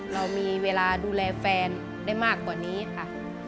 เรามีเวลาดูแลแฟนได้มากกว่านี้ค่ะ